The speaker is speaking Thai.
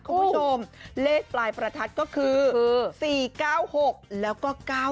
คุณผู้ชมเลขปลายประทัดก็คือ๔๙๖แล้วก็๙๙